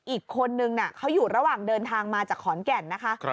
อีกคนนึงเขาอยู่ระหว่างเดินทางมาจากขอนแก่นนะคะ